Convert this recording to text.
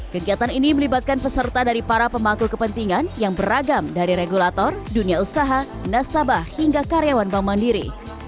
kegiatan ini melibatkan peserta dari para pemangku kepentingan yang beragam dari regulator dunia usaha nasabah hingga karyawan bank mandiri